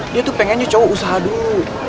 dia tuh pengennya cowok usaha dulu